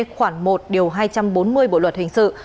khoảng một điều hai trăm bốn mươi bộ luật hình sự